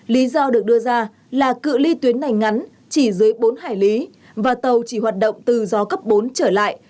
lý do được đưa ra là cự li tuyến này ngắn chỉ dưới bốn hải lý và tàu chỉ hoạt động từ gió cấp bốn trở lại